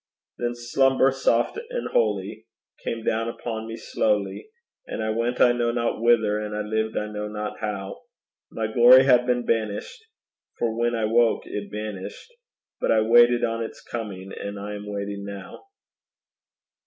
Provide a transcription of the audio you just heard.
Then slumber soft and holy Came down upon me slowly; And I went I know not whither, and I lived I know not how; My glory had been banished, For when I woke it vanished, But I waited on it's coming, and I am waiting now.